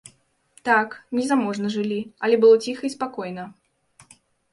Так, незаможна жылі, але было ціха і спакойна.